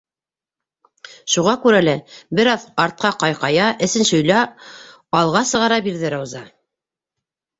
Шуға күрә лә бер аҙ артҡа ҡайҡая, эсен шөйлә алға сығара бирҙе Рауза.